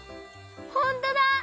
ほんとだ！